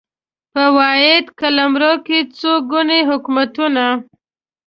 په واحد قلمرو کې څو ګوني حکومتونه